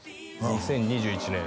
「２０２１年」